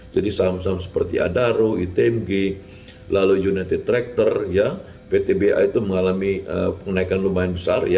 jadi saham saham seperti adaro itmg lalu united tractor ptba itu mengalami pengenaikan lumayan besar